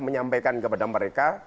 saya harus mengingatkan kepada mereka